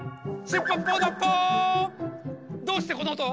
どうしてこのおとを？